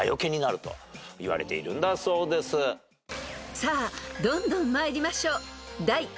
［さあどんどん参りましょう］